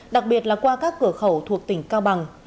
đặc biệt là qua các cửa khẩu thuộc tỉnh cao bằng